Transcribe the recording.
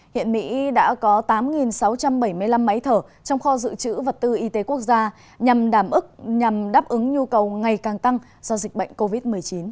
hiện mỹ đã có tám sáu trăm bảy mươi năm máy thở trong kho dự trữ vật tư y tế quốc gia nhằm đảm ức nhằm đáp ứng nhu cầu ngày càng tăng do dịch bệnh covid một mươi chín